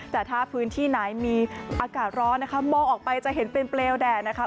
แต่ถ้าพื้นที่ไหนมีอากาศร้อนนะคะมองออกไปจะเห็นเป็นเปลวแดดนะคะ